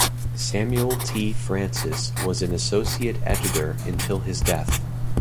Samuel T. Francis was an associate editor until his death.